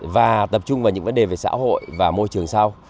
và tập trung vào những vấn đề về xã hội và môi trường sau